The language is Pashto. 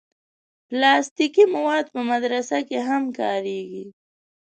پلاستيکي مواد په مدرسه کې هم کارېږي.